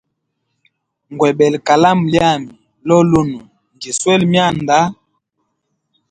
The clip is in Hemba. Ngwebele kalamu lyami lolunwe, ndjiswele myanda.